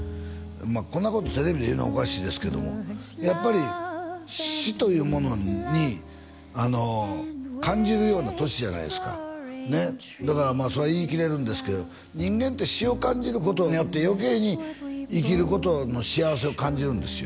こんなことテレビで言うのはおかしいですけどもやっぱり死というものに感じるような年じゃないですかねっだからそれは言い切れるんですけど人間って死を感じることによって余計に生きることの幸せを感じるんですよ